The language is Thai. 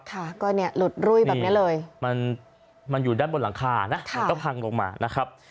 ค่ะก็เนี่ยหลุดรุ่ยแบบนี้เลยมันอยู่ด้านบนหลังคานะมันก็พังลงมานะครับ